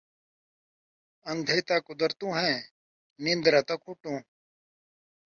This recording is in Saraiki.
اندھے تاں قدرتوں ہیں، نندراں تاں کُٹوں